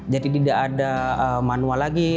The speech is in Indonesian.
jadi tidak ada manual lagi